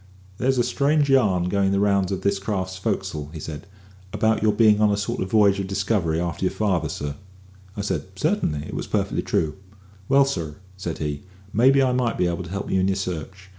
"There's a strange yarn going the rounds of this here craft's fo'c'sle," said he, "about your bein' on a sort of v'yage of discovery a'ter your father, sir." I said, "Certainly; it was perfectly true." "Well, sir," said he, "maybe I might be able to help you in your search.